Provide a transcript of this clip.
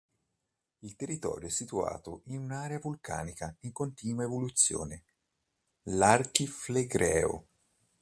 Il territorio è situato in un'area vulcanica in continua evoluzione, l'archiflegreo.